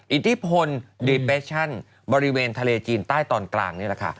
อิทธิพลโดยแบร์ชั่นบริเวณทะเลจีนใต้ตอนกลางนี้นะคะ